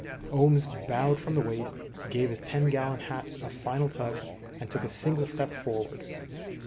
_" Ohms bowed from the waist, gave his ten gallon hat a final tug, and took a single step forward.